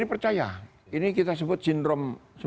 jadi percaya ini kita sebut sindrom